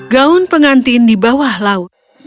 gaun pengantin di bawah laut